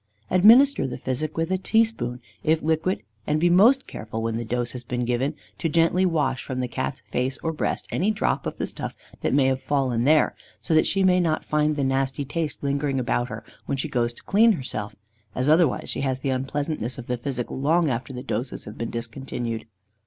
Administer the physic with a teaspoon, if liquid, and be most careful when the dose has been given, to gently wash from the Cat's face or breast any drop of the stuff that may have fallen there, so that she may not find the nasty taste lingering about her when she goes to clean herself, as otherwise she has the unpleasantness of the physic long after the doses have been discontinued.